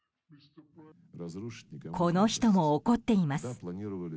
この人も怒っています。